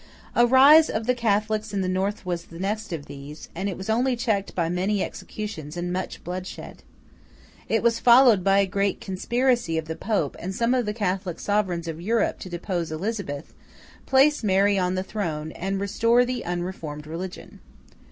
A rise of the Catholics in the north was the next of these, and it was only checked by many executions and much bloodshed. It was followed by a great conspiracy of the Pope and some of the Catholic sovereigns of Europe to depose Elizabeth, place Mary on the throne, and restore the unreformed religion.